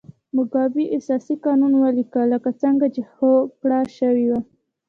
موګابي اساسي قانون ولیکه لکه څنګه چې هوکړه شوې وه.